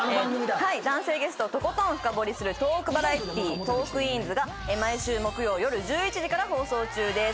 男性ゲストをとことん深掘りするトークバラエティー『トークィーンズ』が毎週木曜夜１１時から放送中です。